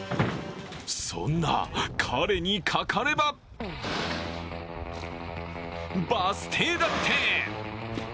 そんな彼にかかればバス停だって。